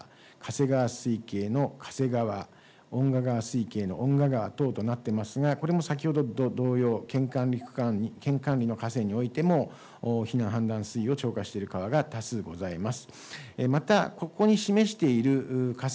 まつうら川水系のきゅうらぎ川、川水系の嘉瀬川、おんが川水系のおんが川等となっておりますが、これも先ほどと同様、県管理の河川においても避難氾濫水位を超過している川が多数ございます。